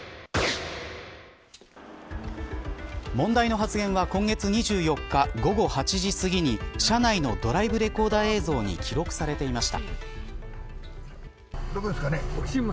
問題の発言は、今月２４日午後８時すぎに車内のドライブレコーダー映像に記録されていました。